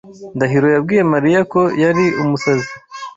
Ndahiro yabwiye Mariya ko yari umusazi.